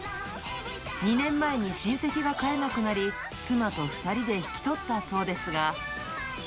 ２年前に親戚が飼えなくなり、妻と２人で引き取ったそうですが。